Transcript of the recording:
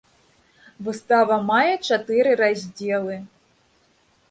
Выстава мае чатыры раздзелы.